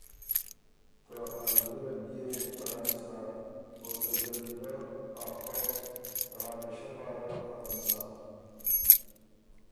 که ا زلی ره بئے ګه ړنګ سَۀ او ته جمیلۀ ا ”خۀ“ ته همېشۀ پاره ختُم سَۀ۔